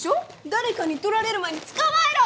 誰かに取られる前に捕まえろ！